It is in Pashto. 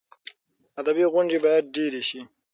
ادبي غونډې باید ډېرې شي.